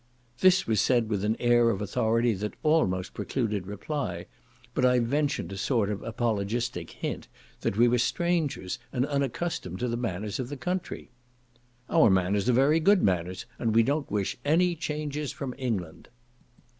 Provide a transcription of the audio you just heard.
This was said with an air of authority that almost precluded reply, but I ventured a sort of apologistic hint, that we were strangers and unaccustomed to the manners of the country. "Our manners are very good manners, and we don't wish any changes from England."